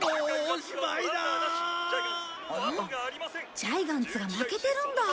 ジャイガンツが負けてるんだ。